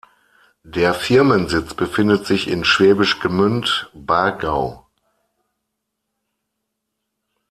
Der Firmensitz befindet sich in Schwäbisch Gmünd-Bargau.